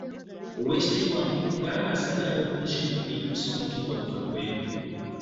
Oweekitiibwa Mpuuga asabye aba opoziisoni okuyimusa omutindo gwabwe